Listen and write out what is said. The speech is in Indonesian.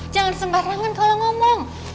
jangan sembarangan kalau ngomong